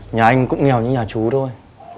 nhà anh cũng nghèo như nhà chú thôi